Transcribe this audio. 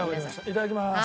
いただきます。